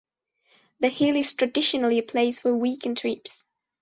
The hill is traditionally a place for weekend trips.